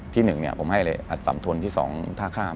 ที่๑ผมให้อสัมธนตร์ที่๒ท่าข้าม